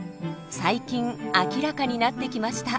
最近明らかになってきました。